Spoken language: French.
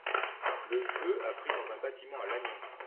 le feu a pris dans un bâtiment à Lannion.